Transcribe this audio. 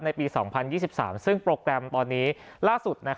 ปี๒๐๒๓ซึ่งโปรแกรมตอนนี้ล่าสุด